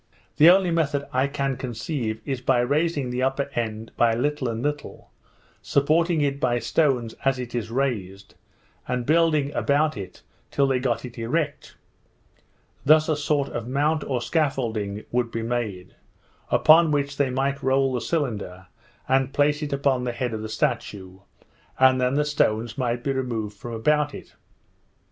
The only method I can conceive, is by raising the upper end by little and little, supporting it by stones as it is raised, and building about it till they got it erect; thus a sort of mount or scaffolding would be made, upon which they might roll the cylinder, and place it upon the head of the statue, and then the stones might be removed from about it.